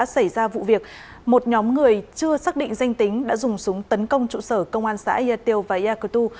xảy ra vụ việc một nhóm người chưa xác định danh tính đã dùng súng tấn công trụ sở công an xã yatio và yakutu